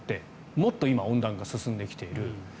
もっと今は温暖化が進んできている。